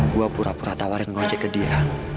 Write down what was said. gue pura pura tawarin ngojek ke dia